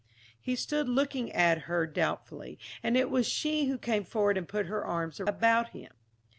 He stood looking at her doubtfully, and it was she who came forward and put her arms about him.